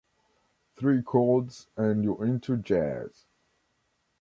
Three chords and you're into jazz.